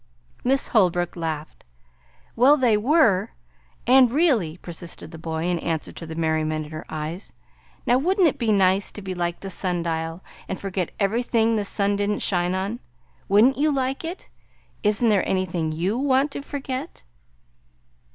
Miss Holbrook laughed. "Well, they were; and really" persisted the boy, in answer to the merriment in her eyes; "now wouldn't it be nice to be like the sundial, and forget everything the sun didn't shine on? Would n't you like it? Isn't there anything YOU want to forget?"